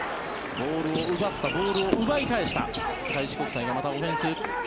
ボールを奪ったボールを奪い返した開志国際がまたオフェンス。